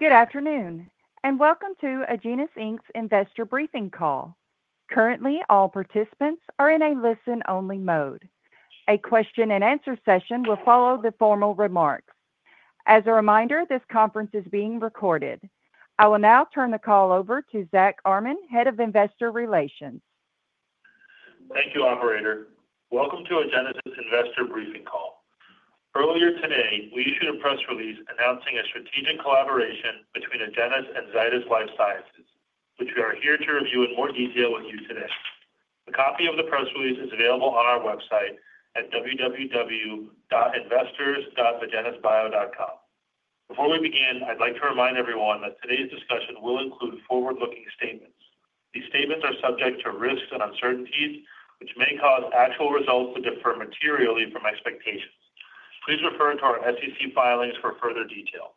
Good afternoon, and welcome to Agenus investor briefing call. Currently, all participants are in a listen-only mode. A question-and-answer session will follow the formal remarks. As a reminder, this conference is being recorded. I will now turn the call over to Zack Armen, Head of Investor Relations. Thank you, Operator. Welcome to Agenus' investor briefing call. Earlier today, we issued a press release announcing a strategic collaboration between Agenus and Zydus Lifesciences, which we are here to review in more detail with you today. A copy of the press release is available on our website at www.investors.agenusbio.com. Before we begin, I'd like to remind everyone that today's discussion will include forward-looking statements. These statements are subject to risks and uncertainties, which may cause actual results to differ materially from expectations. Please refer to our SEC filings for further detail.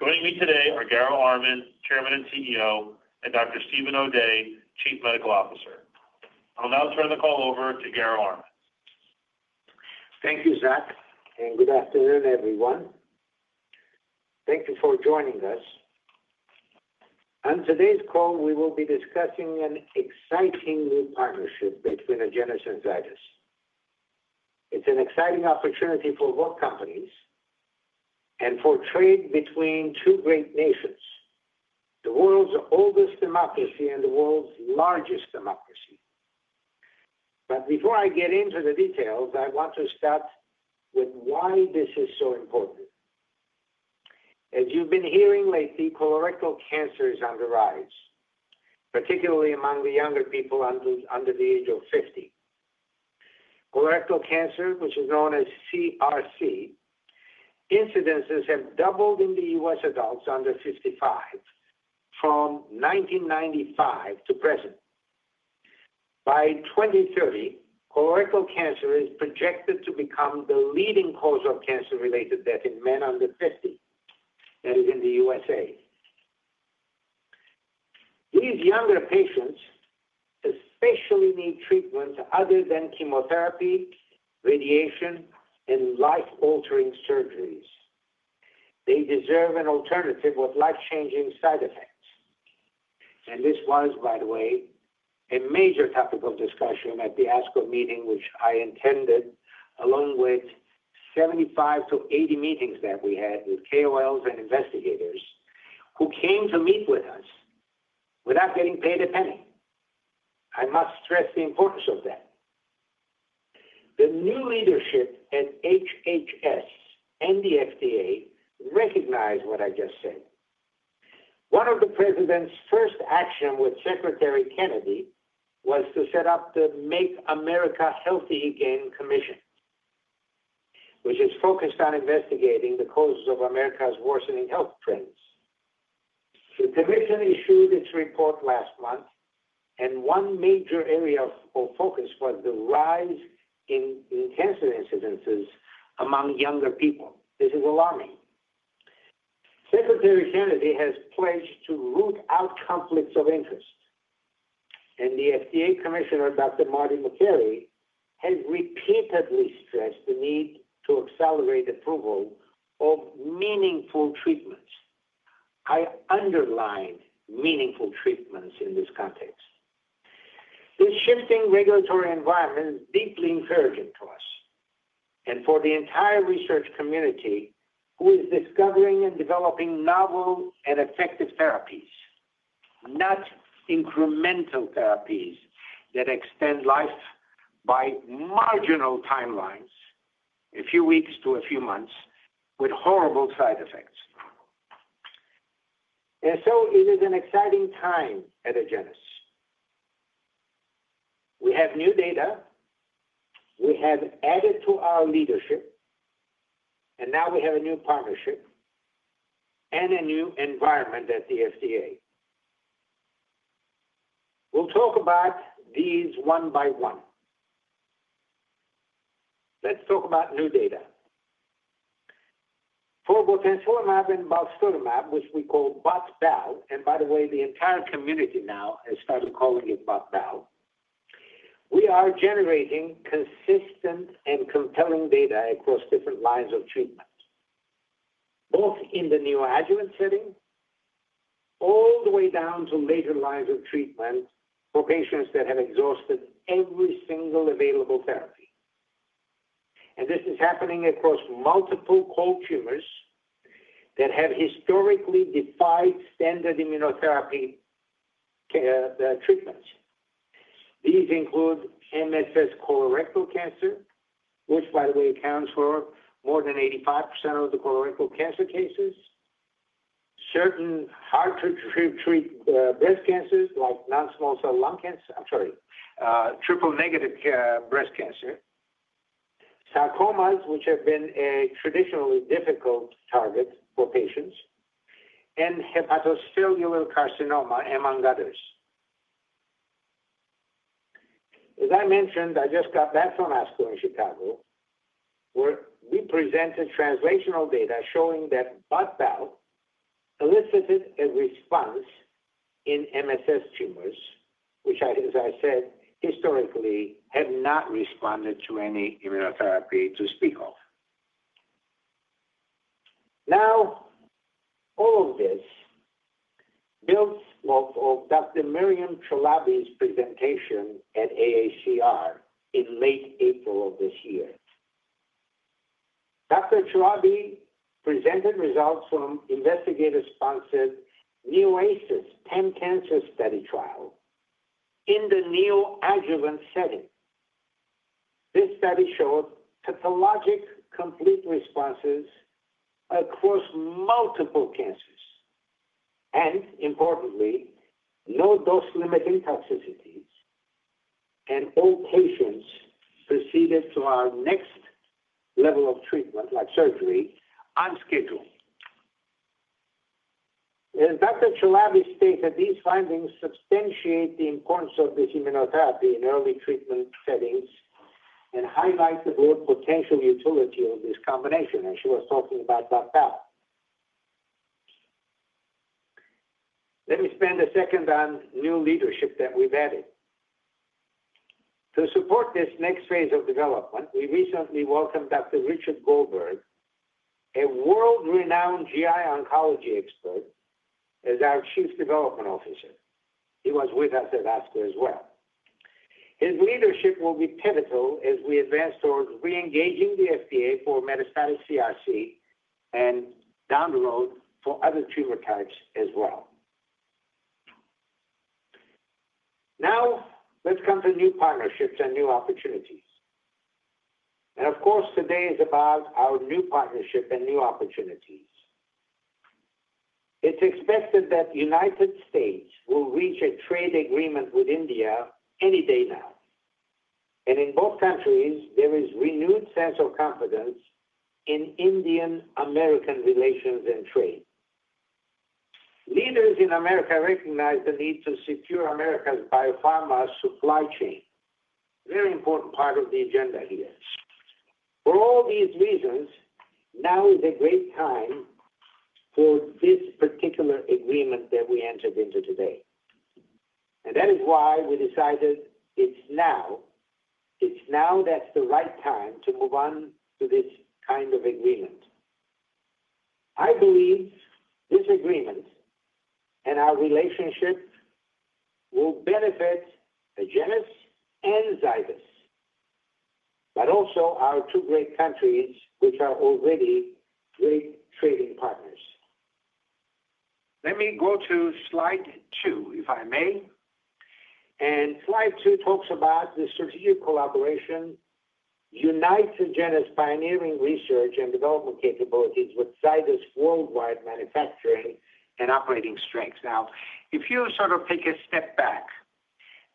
Joining me today are Garo Armen, Chairman and CEO, and Dr. Steven O'Day, Chief Medical Officer. I'll now turn the call over to Garo Armen. Thank you, Zack, and good afternoon, everyone. Thank you for joining us. On today's call, we will be discussing an exciting new partnership between Agenus and Zydus. It's an exciting opportunity for both companies and for trade between two great nations, the world's oldest democracy and the world's largest democracy. Before I get into the details, I want to start with why this is so important. As you've been hearing lately, colorectal cancer is on the rise, particularly among younger people under the age of 50. Colorectal cancer, which is known as CRC, incidences have doubled in the U.S. adults under 55 from 1995 to present. By 2030, colorectal cancer is projected to become the leading cause of cancer-related death in men under 50, that is, in the U.S.A. These younger patients especially need treatments other than chemotherapy, radiation, and life-altering surgeries. They deserve an alternative with life-changing side effects. This was, by the way, a major topic of discussion at the ASCO meeting, which I attended, along with 75 meetings-80 meetings that we had with KOLs and investigators who came to meet with us without getting paid a penny. I must stress the importance of that. The new leadership at HHS and the FDA recognize what I just said. One of the President's first actions with Secretary Kennedy was to set up the Make America Healthy Again Commission, which is focused on investigating the causes of America's worsening health trends. The Commission issued its report last month, and one major area of focus was the rise in cancer incidences among younger people. This is alarming. Secretary Kennedy has pledged to root out conflicts of interest, and the FDA Commissioner, Dr. Marty Makary has repeatedly stressed the need to accelerate approval of meaningful treatments. I underline meaningful treatments in this context. This shifting regulatory environment is deeply encouraging to us and for the entire research community who is discovering and developing novel and effective therapies, not incremental therapies that extend life by marginal timelines, a few weeks to a few months, with horrible side effects. It is an exciting time at Agenus. We have new data. We have added to our leadership, and now we have a new partnership and a new environment at the FDA. We'll talk about these one by one. Let's talk about new data. For both botensilimab and balstilimab, which we call BOT/BAL, and by the way, the entire community now has started calling it BOT/BAL, we are generating consistent and compelling data across different lines of treatment, both in the neoadjuvant setting all the way down to later lines of treatment for patients that have exhausted every single available therapy. This is happening across multiple cold tumors that have historically defied standard immunotherapy treatments. These include MSS colorectal cancer, which, by the way, accounts for more than 85% of the colorectal cancer cases; certain hard-to-treat breast cancers like—I'm sorry, triple-negative breast cancer; sarcomas, which have been a traditionally difficult target for patients; and hepatocellular carcinoma, among others. As I mentioned, I just got back from ASCO in Chicago, where we presented translational data showing that BOT/BAL elicited a response in MSS tumors, which, as I said, historically have not responded to any immunotherapy to speak of. Now, all of this builds off of Dr. Myriam Chalabi's presentation at AACR in late April of this year. Dr. Chalabi presented results from investigator-sponsored NEOASIS pan-cancer study trial in the neoadjuvant setting. This study showed pathologic complete responses across multiple cancers and, importantly, no dose-limiting toxicities, and all patients proceeded to our next level of treatment, like surgery, on schedule. As Dr. Chalabi stated, these findings substantiate the importance of this immunotherapy in early treatment settings and highlight the broad potential utility of this combination, as she was talking about BOT/BAL. Let me spend a second on new leadership that we've added. To support this next phase of development, we recently welcomed Dr. Richard Goldberg, a world-renowned GI oncology expert, as our Chief Development Officer. He was with us at ASCO as well. His leadership will be pivotal as we advance towards re-engaging the FDA for metastatic CRC and down the road for other tumor types as well. Now, let's come to new partnerships and new opportunities. Of course, today is about our new partnership and new opportunities. It is expected that the United States will reach a trade agreement with India any day now. In both countries, there is renewed sense of confidence in Indian-American relations and trade. Leaders in the U.S. recognize the need to secure America's biopharma supply chain, a very important part of the agenda here. For all these reasons, now is a great time for this particular agreement that we entered into today. That is why we decided it's now. It's now that's the right time to move on to this kind of agreement. I believe this agreement and our relationship will benefit Agenus and Zydus, but also our two great countries, which are already great trading partners. Let me go to slide two, if I may. Slide two talks about the strategic collaboration uniting Agenus' pioneering research and development capabilities with Zydus' worldwide manufacturing and operating strengths. Now, if you sort of take a step back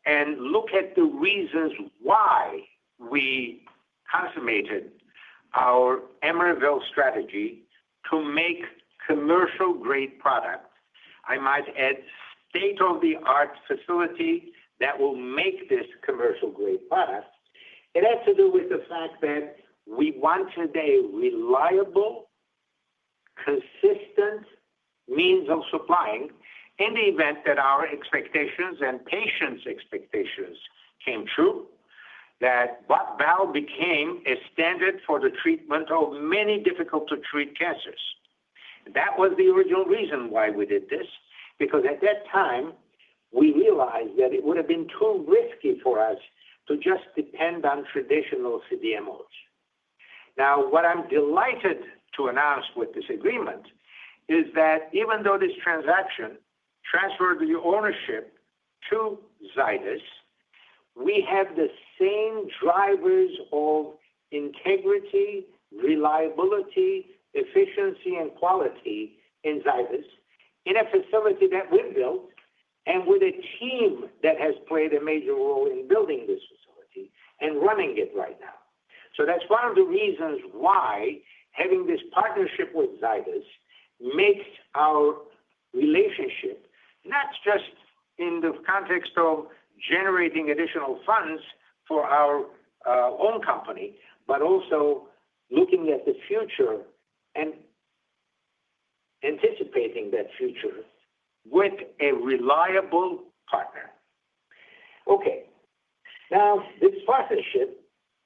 and look at the reasons why we consummated our Emeryville strategy to make commercial-grade product, I might add, state-of-the-art facility that will make this commercial-grade product, it has to do with the fact that we want today reliable, consistent means of supplying in the event that our expectations and patients' expectations came true, that BOT/BAL became a standard for the treatment of many difficult-to-treat cancers. That was the original reason why we did this, because at that time, we realized that it would have been too risky for us to just depend on traditional CDMOs. Now, what I'm delighted to announce with this agreement is that even though this transaction transferred the ownership to Zydus, we have the same drivers of integrity, reliability, efficiency, and quality in Zydus in a facility that we built and with a team that has played a major role in building this facility and running it right now. That is one of the reasons why having this partnership with Zydus makes our relationship not just in the context of generating additional funds for our own company, but also looking at the future and anticipating that future with a reliable partner. Okay. Now, this partnership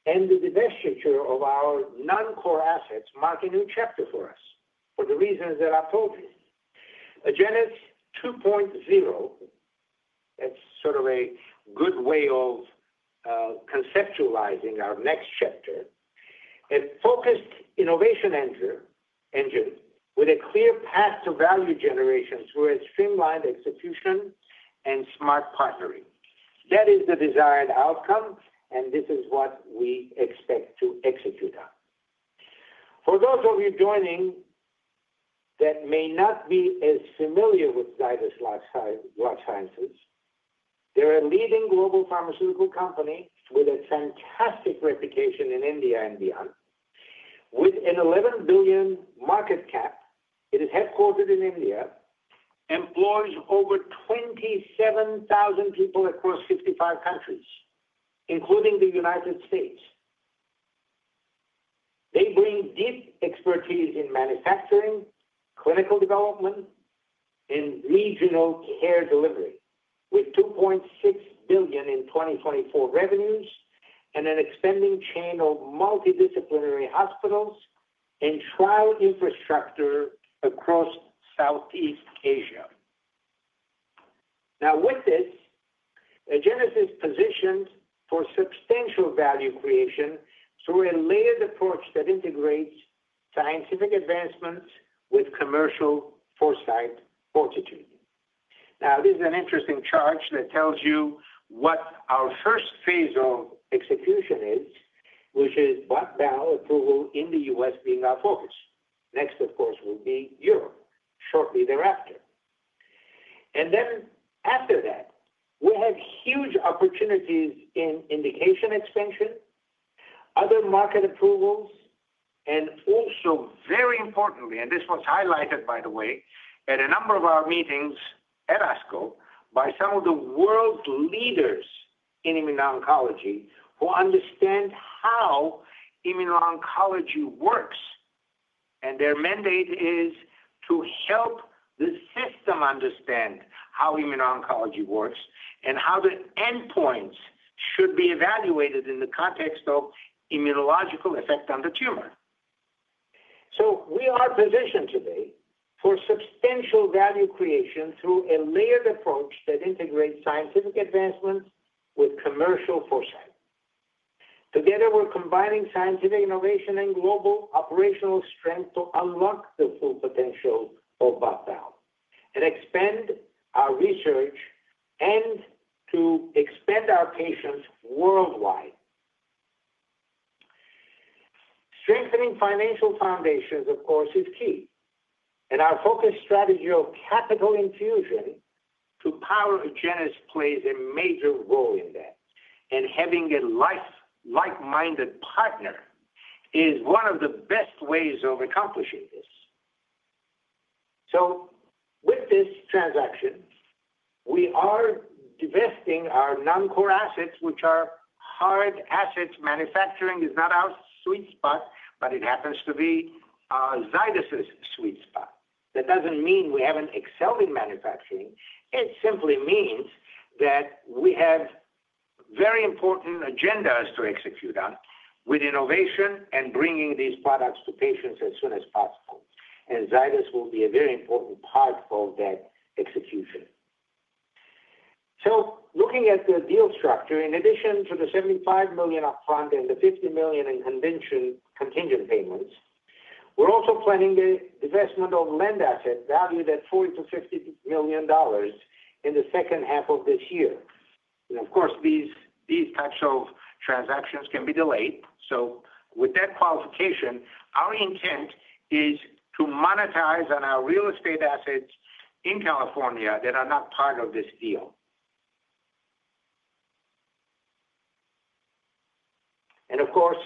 and the divestiture of our non-core assets mark a new chapter for us for the reasons that I've told you. Agenus 2.0, that's sort of a good way of conceptualizing our next chapter, a focused innovation engine with a clear path to value generation through streamlined execution and smart partnering. That is the desired outcome, and this is what we expect to execute on. For those of you joining that may not be as familiar with Zydus Lifesciences, they're a leading global pharmaceutical company with a fantastic reputation in India and beyond. With an $11 billion market cap, it is headquartered in India, employs over 27,000 people across 55 countries, including the United States. They bring deep expertise in manufacturing, clinical development, and regional care delivery, with $2.6 billion in 2024 revenues and an expanding chain of multidisciplinary hospitals and trial infrastructure across Southeast Asia. Now, with this, Agenus is positioned for substantial value creation through a layered approach that integrates scientific advancements with commercial foresight and fortitude. Now, this is an interesting charge that tells you what our first phase of execution is, which is BOT/BAL approval in the U.S. being our focus. Next, of course, will be Europe shortly thereafter. After that, we have huge opportunities in indication expansion, other market approvals, and also, very importantly, and this was highlighted, by the way, at a number of our meetings at ASCO by some of the world's leaders in immuno-oncology who understand how immuno-oncology works. Their mandate is to help the system understand how immuno-oncology works and how the endpoints should be evaluated in the context of immunological effect on the tumor. We are positioned today for substantial value creation through a layered approach that integrates scientific advancements with commercial foresight. Together, we're combining scientific innovation and global operational strength to unlock the full potential of BOT/BAL and expand our research and to expand our patients worldwide. Strengthening financial foundations, of course, is key. Our focused strategy of capital infusion to power Agenus plays a major role in that. Having a like-minded partner is one of the best ways of accomplishing this. With this transaction, we are divesting our non-core assets, which are hard assets. Manufacturing is not our sweet spot, but it happens to be Zydus' sweet spot. That does not mean we have not excelled in manufacturing. It simply means that we have very important agendas to execute on with innovation and bringing these products to patients as soon as possible. Zydus will be a very important part of that execution. Looking at the deal structure, in addition to the $75 million upfront and the $50 million in contingent payments, we're also planning the divestment of land asset valued at $40 million-$50 million in the second half of this year. Of course, these types of transactions can be delayed. With that qualification, our intent is to monetize on our real estate assets in California that are not part of this deal. Of course,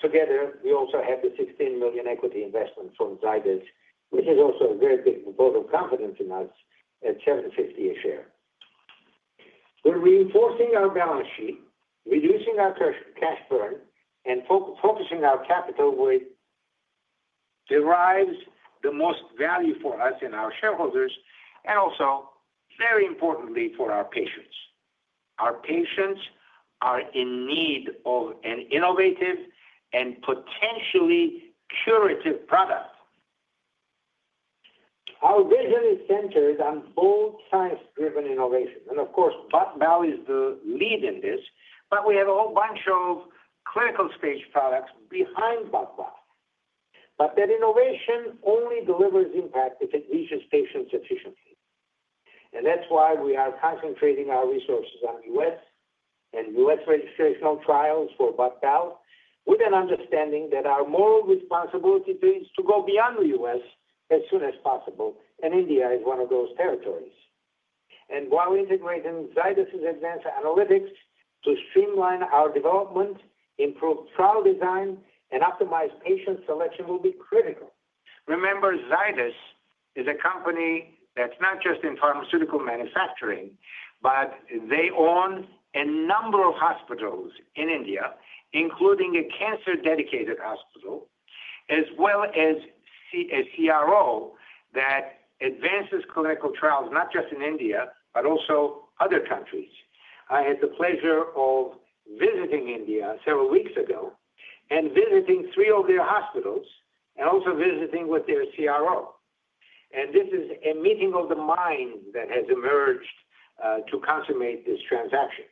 together, we also have the $16 million equity investment from Zydus, which is also a very big vote of confidence in us at $750 a share. We're reinforcing our balance sheet, reducing our cash burn, and focusing our capital with what derives the most value for us and our shareholders, and also, very importantly, for our patients. Our patients are in need of an innovative and potentially curative product. Our vision is centered on bold, science-driven innovation. BOT/BAL is the lead in this, but we have a whole bunch of clinical-stage products behind BOT/BAL. That innovation only delivers impact if it reaches patients efficiently. That is why we are concentrating our resources on U.S. and U.S. registrational trials for BOT/BAL, with an understanding that our moral responsibility is to go beyond the U.S. as soon as possible. India is one of those territories. While integrating Zydus' advanced analytics to streamline our development, improve trial design, and optimize patient selection will be critical. Remember, Zydus is a company that is not just in pharmaceutical manufacturing, but they own a number of hospitals in India, including a cancer-dedicated hospital, as well as a CRO that advances clinical trials not just in India, but also other countries. I had the pleasure of visiting India several weeks ago and visiting three of their hospitals and also visiting with their CRO. This is a meeting of the minds that has emerged to consummate this transaction.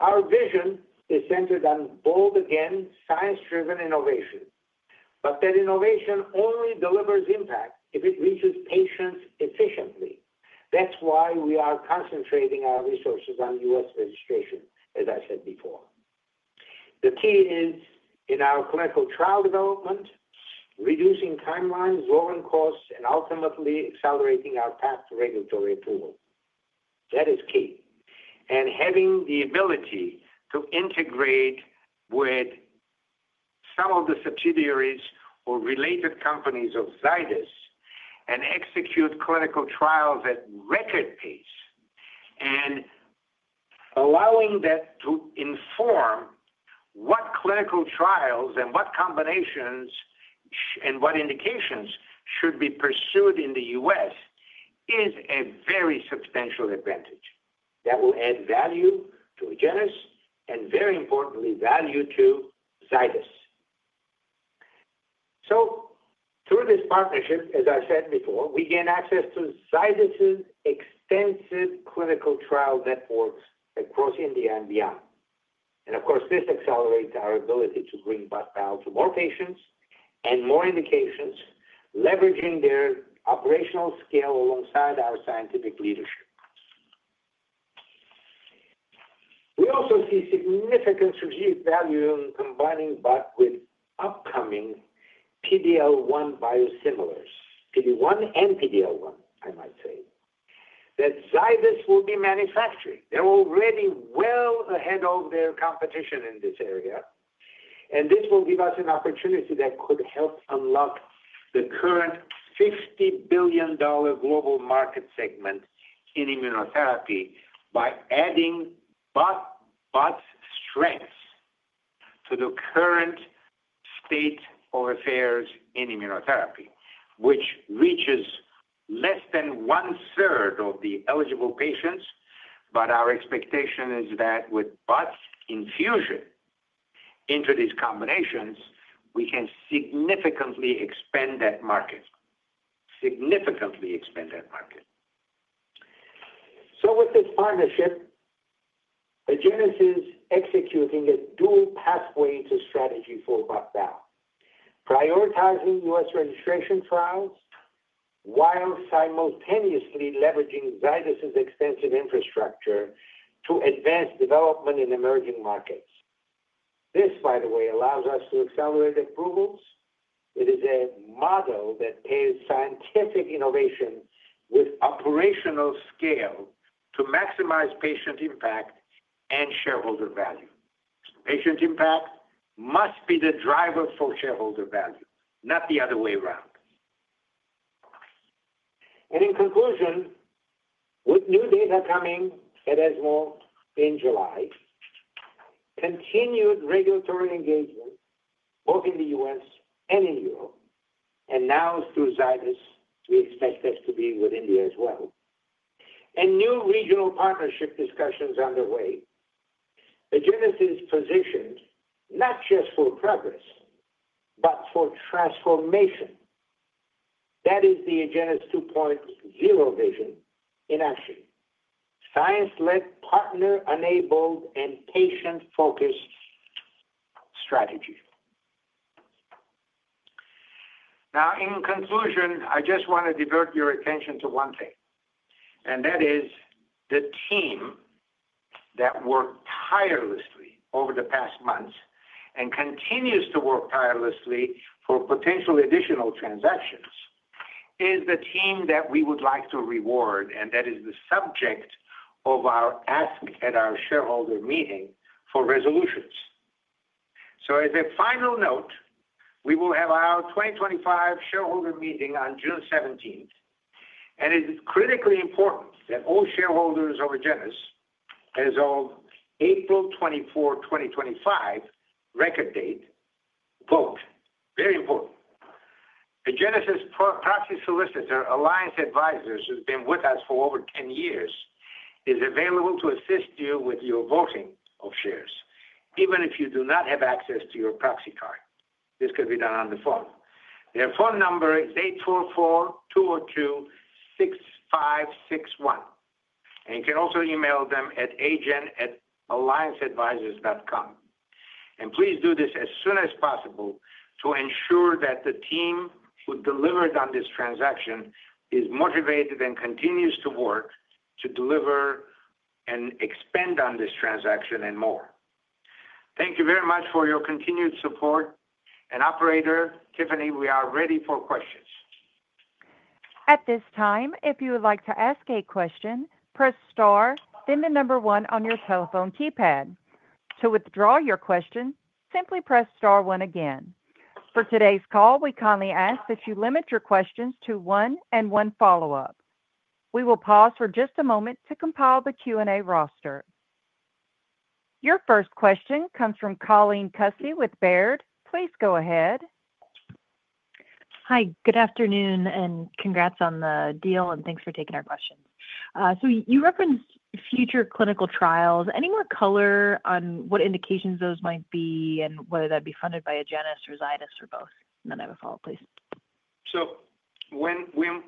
Our vision is centered on bold, again, science-driven innovation. That innovation only delivers impact if it reaches patients efficiently. That is why we are concentrating our resources on U.S. registration, as I said before. The key is in our clinical trial development, reducing timelines, lowering costs, and ultimately accelerating our path to regulatory approval. That is key. Having the ability to integrate with some of the subsidiaries or related companies of Zydus and execute clinical trials at record pace and allowing that to inform what clinical trials and what combinations and what indications should be pursued in the U.S. is a very substantial advantage that will add value to Agenus and, very importantly, value to Zydus. Through this partnership, as I said before, we gain access to Zydus' extensive clinical trial networks across India and beyond. Of course, this accelerates our ability to bring BOT/BAL to more patients and more indications, leveraging their operational scale alongside our scientific leadership. We also see significant strategic value in combining BOT with upcoming PD-L1 biosimilars, PD-1 and PD-L1, I might say, that Zydus will be manufacturing. They're already well ahead of their competition in this area. This will give us an opportunity that could help unlock the current $60 billion global market segment in immunotherapy by adding BOT/BAL's strengths to the current state of affairs in immunotherapy, which reaches less than one-third of the eligible patients. Our expectation is that with Bot infusion into these combinations, we can significantly expand that market, significantly expand that market. With this partnership, Agenus is executing a dual pathway to strategy for BOT/BAL, prioritizing U.S. registration trials while simultaneously leveraging Zydus' extensive infrastructure to advance development in emerging markets. This, by the way, allows us to accelerate approvals. It is a model that pairs scientific innovation with operational scale to maximize patient impact and shareholder value. Patient impact must be the driver for shareholder value, not the other way around. In conclusion, with new data coming at ESMO in July, continued regulatory engagement, both in the U.S. and in Europe, and now through Zydus, we expect that to be with India as well. With new regional partnership discussions underway, Agenus is positioned not just for progress, but for transformation. That is the Agenus 2.0 vision in action: science-led, partner-enabled, and patient-focused strategy. Now, in conclusion, I just want to divert your attention to one thing. That is the team that worked tirelessly over the past months and continues to work tirelessly for potential additional transactions is the team that we would like to reward. That is the subject of our ask at our shareholder meeting for resolutions. As a final note, we will have our 2025 shareholder meeting on June 17. It is critically important that all shareholders of Agenus, as of April 24, 2025, record date, vote, very important. Agenus' proxy solicitor, Alliance Advisors, who's been with us for over 10 years, is available to assist you with your voting of shares, even if you do not have access to your proxy card. This could be done on the phone. Their phone number is 844-202-6561. You can also email them at agent@allianceadvisors.com. Please do this as soon as possible to ensure that the team who delivered on this transaction is motivated and continues to work to deliver and expand on this transaction and more. Thank you very much for your continued support. Operator Tiffany, we are ready for questions. At this time, if you would like to ask a question, press star, then the number one on your telephone keypad. To withdraw your question, simply press star one again. For today's call, we kindly ask that you limit your questions to one and one follow-up. We will pause for just a moment to compile the Q&A roster. Your first question comes from Colleen Kusy with Baird. Please go ahead. Hi. Good afternoon and congrats on the deal, and thanks for taking our questions. You referenced future clinical trials. Any more color on what indications those might be and whether that'd be funded by Agenus or Zydus or both? I have a follow-up, please.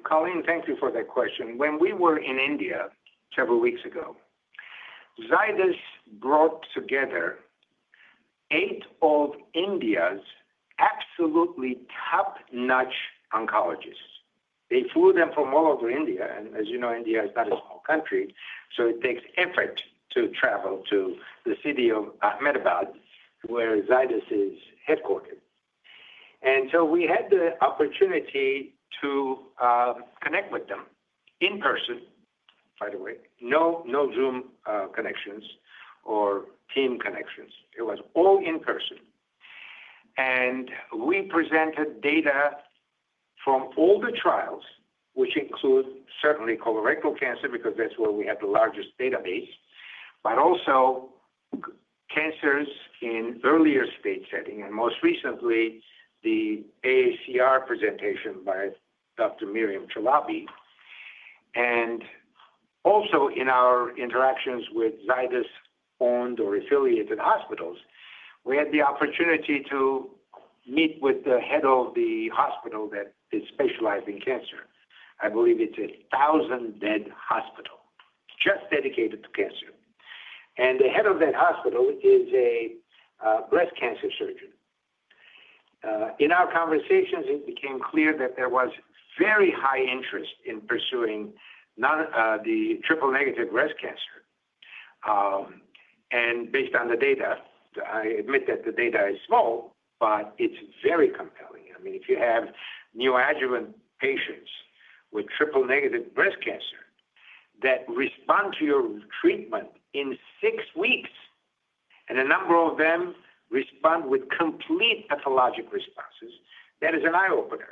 Colleen, thank you for that question. When we were in India several weeks ago, Zydus brought together eight of India's absolutely top-notch oncologists. They flew them from all over India. As you know, India is not a small country. It takes effort to travel to the city of Ahmedabad, where Zydus is headquartered. We had the opportunity to connect with them in person, by the way, no Zoom connections or team connections. It was all in person. We presented data from all the trials, which include certainly colorectal cancer because that's where we have the largest database, but also cancers in earlier stage setting. Most recently, the AACR presentation by Dr. Myriam Chalabi. Also, in our interactions with Zydus-owned or affiliated hospitals, we had the opportunity to meet with the head of the hospital that is specialized in cancer. I believe it is a 1,000-bed hospital just dedicated to cancer. The head of that hospital is a breast cancer surgeon. In our conversations, it became clear that there was very high interest in pursuing the triple-negative breast cancer. Based on the data, I admit that the data is small, but it is very compelling. I mean, if you have neoadjuvant patients with triple-negative breast cancer that respond to your treatment in six weeks and a number of them respond with complete pathologic responses, that is an eye-opener.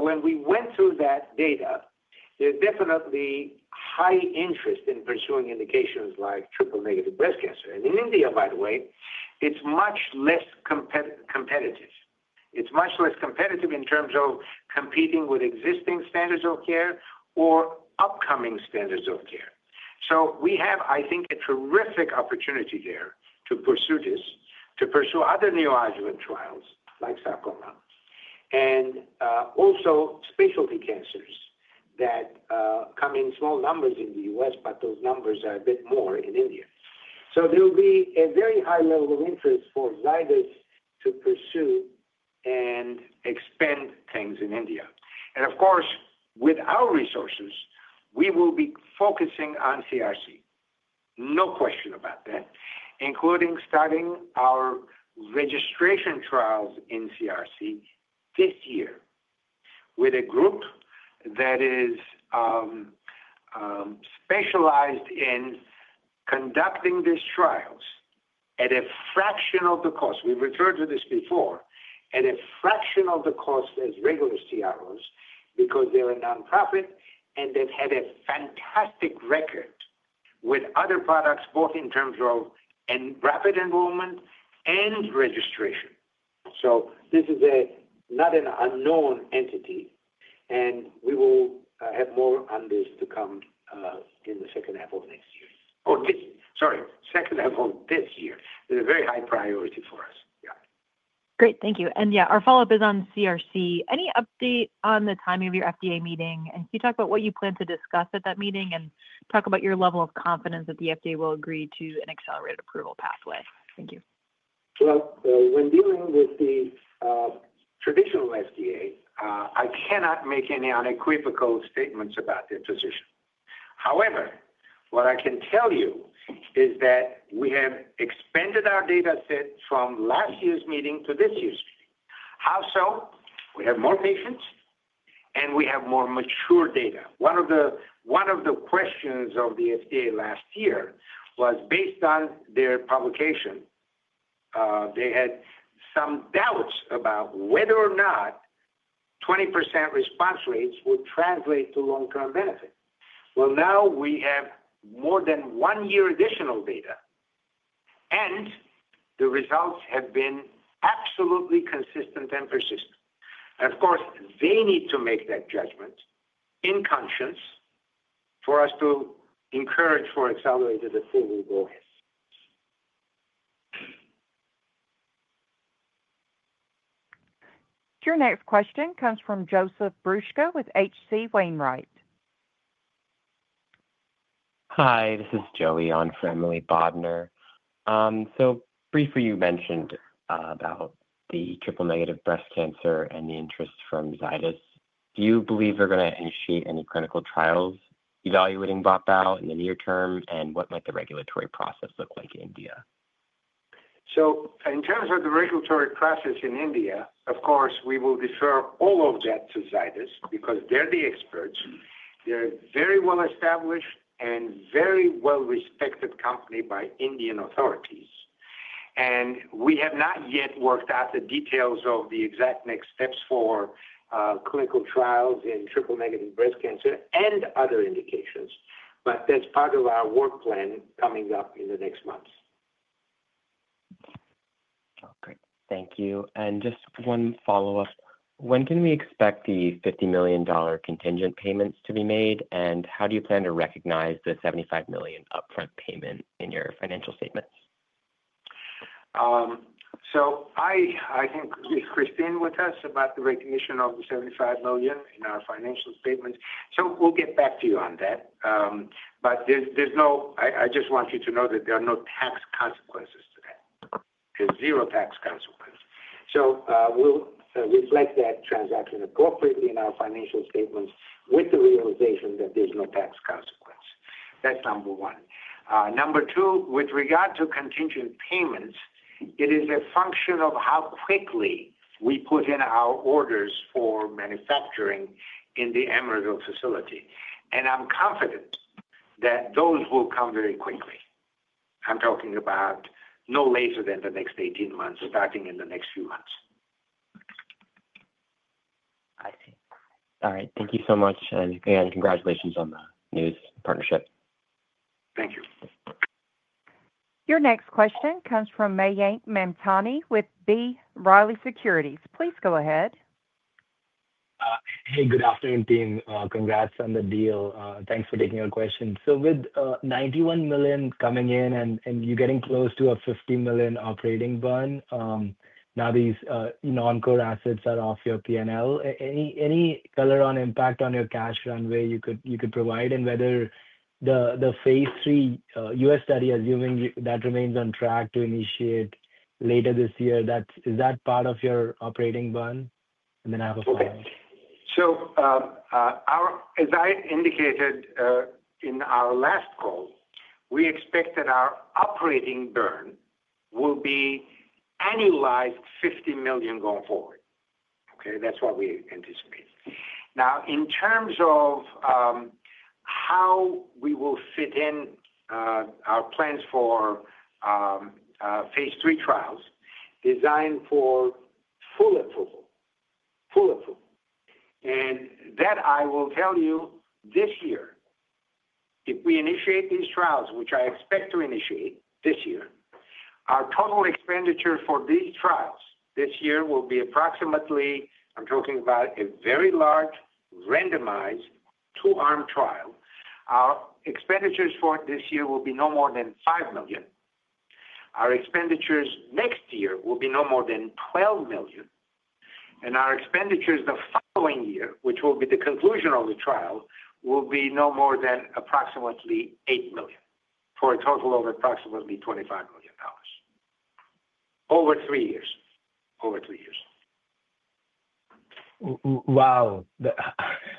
When we went through that data, there is definitely high interest in pursuing indications like triple-negative breast cancer. In India, by the way, it's much less competitive. It's much less competitive in terms of competing with existing standards of care or upcoming standards of care. We have, I think, a terrific opportunity there to pursue this, to pursue other neoadjuvant trials like sarcoma and also specialty cancers that come in small numbers in the U.S., but those numbers are a bit more in India. There will be a very high level of interest for Zydus to pursue and expand things in India. Of course, with our resources, we will be focusing on CRC, no question about that, including starting our registration trials in CRC this year with a group that is specialized in conducting these trials at a fraction of the cost. We've referred to this before, at a fraction of the cost as regular CROs because they're a nonprofit and they've had a fantastic record with other products, both in terms of rapid enrollment and registration. This is not an unknown entity. We will have more on this to come in the second half of this year. This is a very high priority for us. Yeah. Great. Thank you. Yeah, our follow-up is on CRC. Any update on the timing of your FDA meeting? Can you talk about what you plan to discuss at that meeting and talk about your level of confidence that the FDA will agree to an accelerated approval pathway? Thank you. When dealing with the traditional FDA, I cannot make any unequivocal statements about their position. However, what I can tell you is that we have expanded our dataset from last year's meeting to this year's meeting. How so? We have more patients, and we have more mature data. One of the questions of the FDA last year was based on their publication. They had some doubts about whether or not 20% response rates would translate to long-term benefit. Now we have more than one year additional data, and the results have been absolutely consistent and persistent. Of course, they need to make that judgment in conscience for us to encourage for accelerated approval go ahead. Your next question comes from Joseph [Brueske] with H.C. Wainwright. Hi. This is Joey on for Emily Bodnar. Briefly, you mentioned about the triple-negative breast cancer and the interest from Zydus. Do you believe they're going to initiate any clinical trials evaluating BOT/BAL in the near term, and what might the regulatory process look like in India? In terms of the regulatory process in India, of course, we will defer all of that to Zydus because they're the experts. They're a very well-established and very well-respected company by Indian authorities. We have not yet worked out the details of the exact next steps for clinical trials in triple-negative breast cancer and other indications. That is part of our work plan coming up in the next months. Okay. Thank you. Just one follow-up. When can we expect the $50 million contingent payments to be made, and how do you plan to recognize the $75 million upfront payment in your financial statements? I think is Christine with us about the recognition of the $75 million in our financial statements? We'll get back to you on that. I just want you to know that there are no tax consequences to that. There's zero tax consequence. We'll reflect that transaction appropriately in our financial statements with the realization that there's no tax consequence. That's number one. Number two, with regard to contingent payments, it is a function of how quickly we put in our orders for manufacturing in the Emeryville facility. I'm confident that those will come very quickly. I'm talking about no later than the next 18 months, starting in the next few months. I see. All right. Thank you so much. Again, congratulations on the news partnership. Thank you. Your next question comes from Mayank Mamtani with B. Riley Securities. Please go ahead. Hey, good afternoon, team. Congrats on the deal. Thanks for taking your question. With $91 million coming in and you're getting close to a $50 million operating burn, now these non-core assets are off your P&L. Any color on impact on your cash runway you could provide and whether the phase III U.S. study, assuming that remains on track to initiate later this year, is that part of your operating burn? I have a follow-up. As I indicated in our last call, we expect that our operating burn will be annualized $50 million going forward. That is what we anticipate. In terms of how we will fit in our plans for phase III trials designed for full approval, full approval. I will tell you this year, if we initiate these trials, which I expect to initiate this year, our total expenditure for these trials this year will be approximately, I'm talking about a very large randomized two-arm trial. Our expenditures for this year will be no more than $5 million. Our expenditures next year will be no more than $12 million. And our expenditures the following year, which will be the conclusion of the trial, will be no more than approximately $8 million for a total of approximately $25 million over three years, over three years. Wow.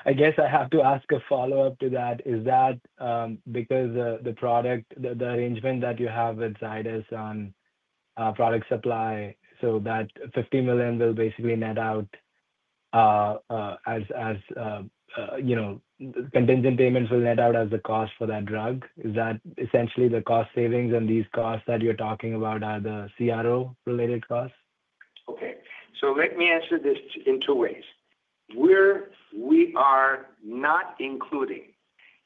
I guess I have to ask a follow-up to that. Is that because the product, the arrangement that you have with Zydus on product supply, so that $50 million will basically net out as contingent payments will net out as the cost for that drug? Is that essentially the cost savings? These costs that you're talking about are the CRO-related costs? Okay. Let me answer this in two ways. We are not including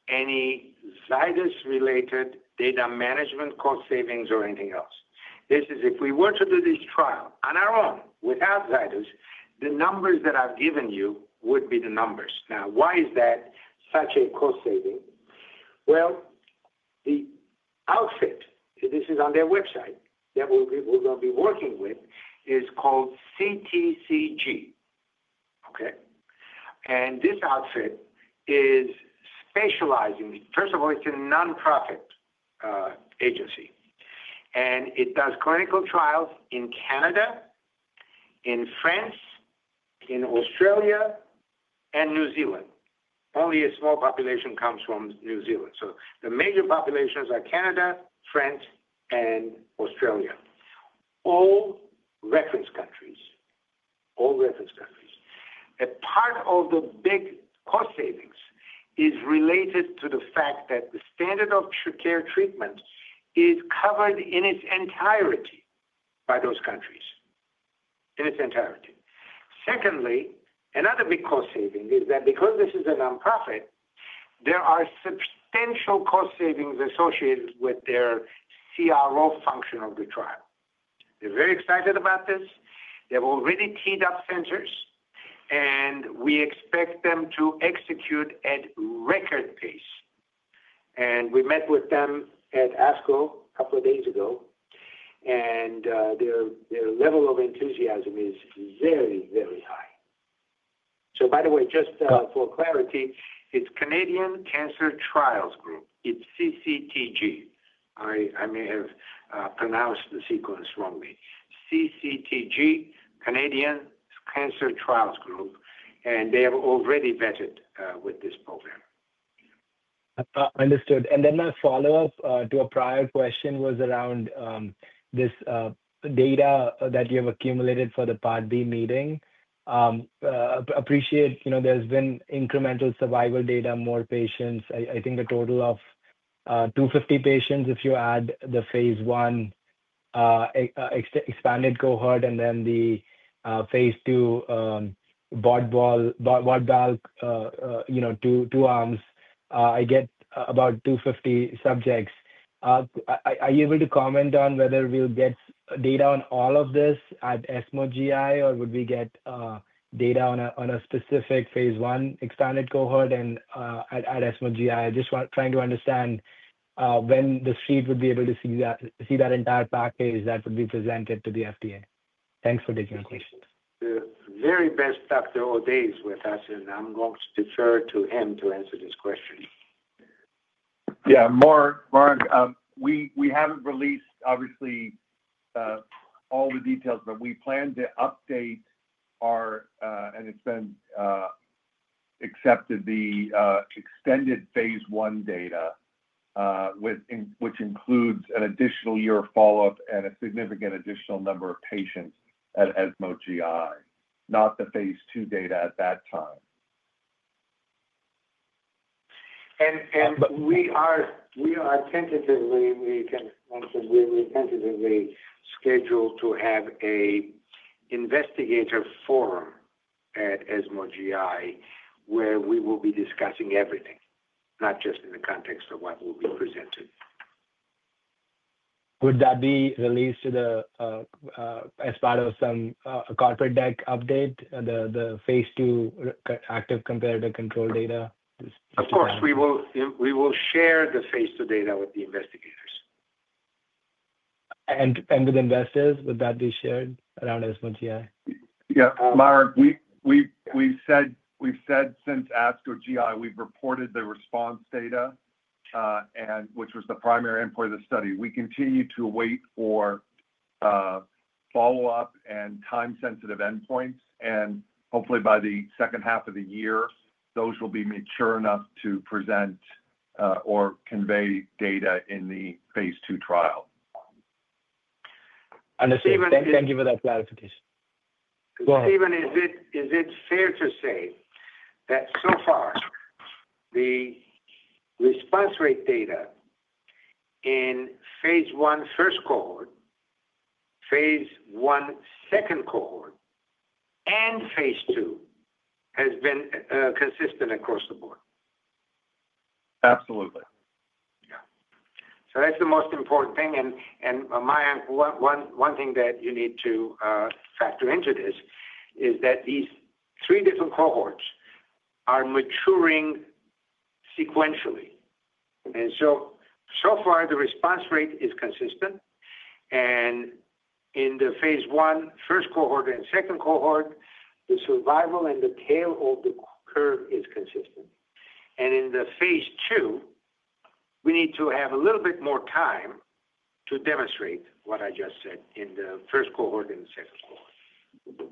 any Zydus-related data management cost savings or anything else. This is if we were to do this trial on our own without Zydus, the numbers that I've given you would be the numbers. Why is that such a cost saving? The outfit—this is on their website—that we're going to be working with is called CCTG. Okay? This outfit is specializing. First of all, it's a nonprofit agency. It does clinical trials in Canada, in France, in Australia, and New Zealand. Only a small population comes from New Zealand. The major populations are Canada, France, and Australia. All reference countries, all reference countries. A part of the big cost savings is related to the fact that the standard of care treatment is covered in its entirety by those countries, in its entirety. Secondly, another big cost saving is that because this is a nonprofit, there are substantial cost savings associated with their CRO function of the trial. They're very excited about this. They've already teed up centers, and we expect them to execute at record pace. We met with them at ASCO a couple of days ago, and their level of enthusiasm is very, very high. By the way, just for clarity, it's Canadian Cancer Trials Group. It's CCTG. I may have pronounced the sequence wrongly. CCTG, Canadian Cancer Trials Group. They have already vetted with this program. Understood. My follow-up to a prior question was around this data that you have accumulated for the Part B meeting. Appreciate there's been incremental survival data, more patients. I think the total of 250 patients, if you add the phase I expanded cohort and then the phase II BOT/BAL, two arms, I get about 250 subjects. Are you able to comment on whether we'll get data on all of this at ESMO GI, or would we get data on a specific phase I expanded cohort at ESMO GI? I'm just trying to understand when the street would be able to see that entire package that would be presented to the FDA. Thanks for taking the question. The very best Dr. O'Day is with us, and I'm going to defer to him to answer this question. Yeah. Mayank, we haven't released, obviously, all the details, but we plan to update our—and it's been accepted—the extended phase I data, which includes an additional year of follow-up and a significant additional number of patients at ESMO GI, not the phase II data at that time. We are tentatively—we can answer—we're tentatively scheduled to have an investigator forum at ESMO GI where we will be discussing everything, not just in the context of what will be presented. Would that be released as part of some corporate deck update, the phase II active comparative control data? Of course, we will share the phase II data with the investigators. With investors, would that be shared around ESMO GI? Yeah. Mayank, we've said since ASCO GI, we've reported the response data, which was the primary endpoint of the study. We continue to wait for follow-up and time-sensitive endpoints. Hopefully, by the second half of the year, those will be mature enough to present or convey data in the phase II trial. Steven Thank you for that clarification. Go ahead. Steven, is it fair to say that so far the response rate data in phase I first cohort, phase I second cohort, and phase II has been consistent across the board? Absolutely. Yeah. That is the most important thing. Mayank, one thing that you need to factor into this is that these three different cohorts are maturing sequentially. So far, the response rate is consistent. In the phase I first cohort and second cohort, the survival and the tail of the curve is consistent. In the phase II, we need to have a little bit more time to demonstrate what I just said in the first cohort and the second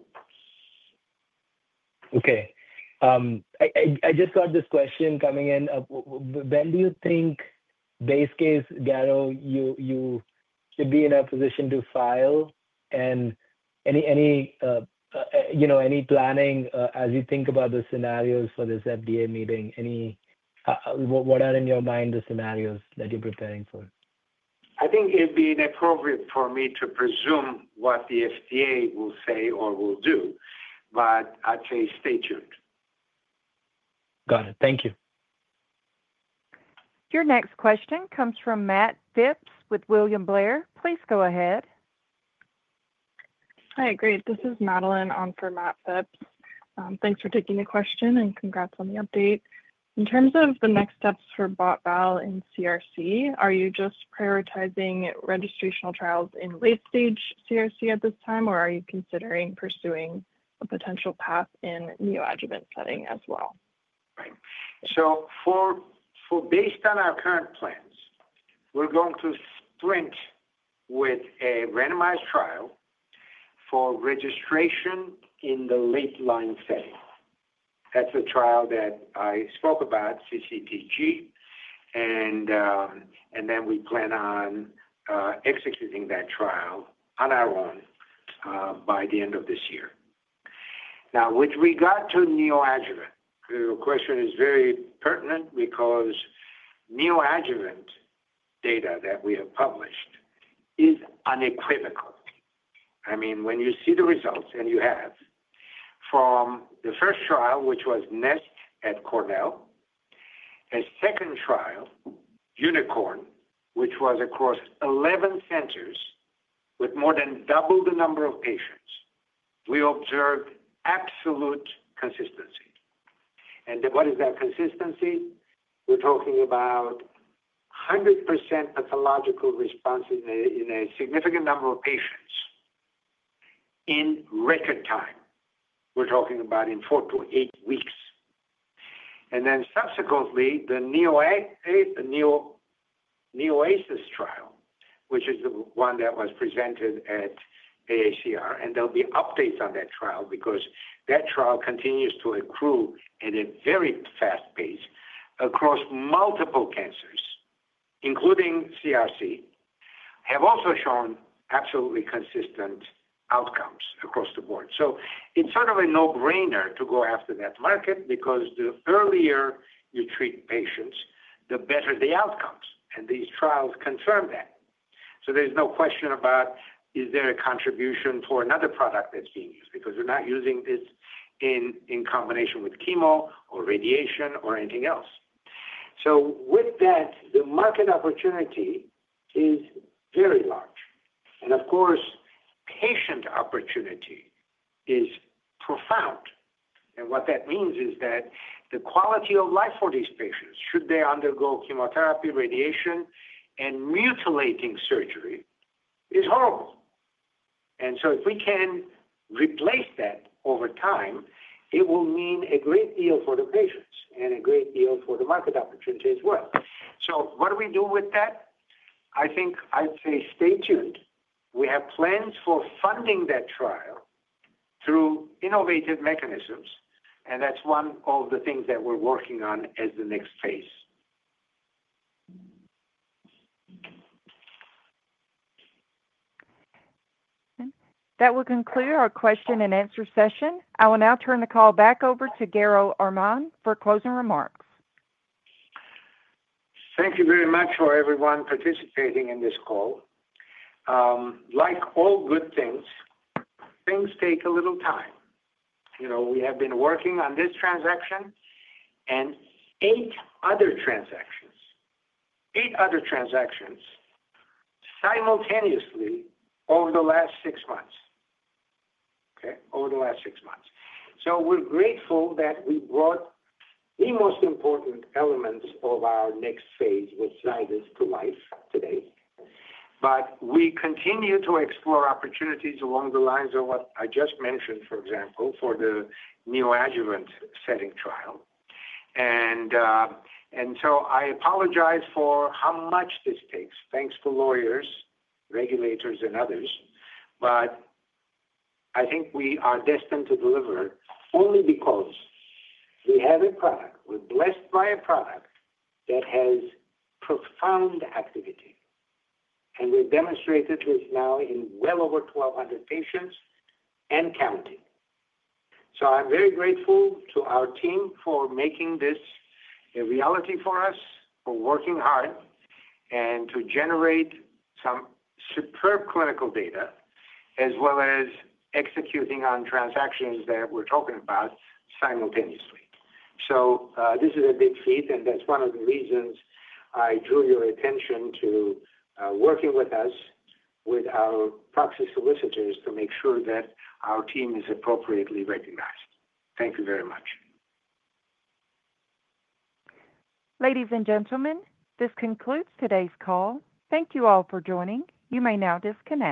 cohort. I just got this question coming in. When do you think, base case that you should be in a position to file and any planning as you think about the scenarios for this FDA meeting? What are in your mind the scenarios that you're preparing for? I think it'd be inappropriate for me to presume what the FDA will say or will do, but I'd say stay tuned. Got it. Thank you. Your next question comes from Matt Phipps with William Blair. Please go ahead. Hi. Great. This is Madeline on for Matt Phipps. Thanks for taking the question and congrats on the update. In terms of the next steps for BOT/BAL in CRC, are you just prioritizing registrational trials in late-stage CRC at this time, or are you considering pursuing a potential path in neoadjuvant setting as well? Based on our current plans, we're going to sprint with a randomized trial for registration in the late line setting. That's the trial that I spoke about, CCTG. We plan on executing that trial on our own by the end of this year. Now, with regard to neoadjuvant, your question is very pertinent because neoadjuvant data that we have published is unequivocal. I mean, when you see the results, and you have from the first trial, which was NEST at Cornell, a second trial, UNICORN, which was across 11 centers with more than double the number of patients, we observed absolute consistency. What is that consistency? We're talking about 100% pathological responses in a significant number of patients in record time. We're talking about in four to eight weeks. Then subsequently, the NEOASIS trial, which is the one that was presented at AACR, and there will be updates on that trial because that trial continues to accrue at a very fast pace across multiple cancers, including CRC, have also shown absolutely consistent outcomes across the board. It is sort of a no-brainer to go after that market because the earlier you treat patients, the better the outcomes. These trials confirm that. There is no question about whether there is a contribution for another product that is being used because we are not using this in combination with chemo or radiation or anything else. With that, the market opportunity is very large. Of course, patient opportunity is profound. What that means is that the quality of life for these patients, should they undergo chemotherapy, radiation, and mutilating surgery, is horrible. If we can replace that over time, it will mean a great deal for the patients and a great deal for the market opportunity as well. What do we do with that? I'd say stay tuned. We have plans for funding that trial through innovative mechanisms, and that's one of the things that we're working on as the next phase. That will conclude our question and answer session. I will now turn the call back over to Garo Armen for closing remarks. Thank you very much for everyone participating in this call. Like all good things, things take a little time. We have been working on this transaction and eight other transactions simultaneously over the last six months. Over the last six months. We're grateful that we brought the most important elements of our next phase with Zydus to life today. We continue to explore opportunities along the lines of what I just mentioned, for example, for the neoadjuvant setting trial. I apologize for how much this takes. Thanks to lawyers, regulators, and others. I think we are destined to deliver only because we have a product. We're blessed by a product that has profound activity. We've demonstrated this now in well over 1,200 patients and counting. I'm very grateful to our team for making this a reality for us, for working hard, and to generate some superb clinical data as well as executing on transactions that we're talking about simultaneously. This is a big feat, and that's one of the reasons I drew your attention to working with us, with our proxy solicitors, to make sure that our team is appropriately recognized. Thank you very much. Ladies and gentlemen, this concludes today's call. Thank you all for joining. You may now disconnect.